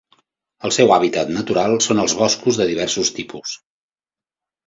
El seu hàbitat natural són els boscos de diversos tipus.